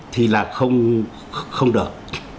thì là không được